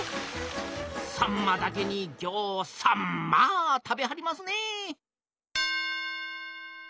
さんまだけにぎょうさんまあ食べはりますね。